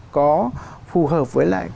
có phù hợp với lại cả cái tốc độ